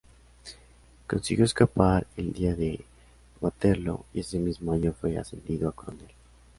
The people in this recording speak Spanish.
Consiguió escapar el día de Waterloo, y ese mismo año fue ascendido a Coronel.